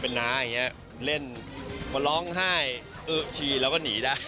เราก็หนีได้